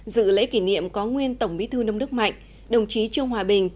dự lễ kỷ niệm có nguyên tổng bí thư nông đức mạnh đồng chí trương hòa bình